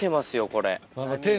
これ。